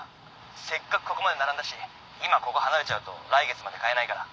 せっかくここまで並んだし今ここ離れちゃうと来月まで買えないから。